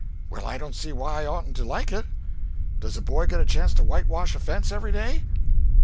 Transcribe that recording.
Well, I don't see why I oughtn't to like it. Does a boy get a chance to whitewash a fence every day?"